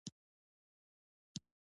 آیا بسکیټ او کیک له ایران نه راځي؟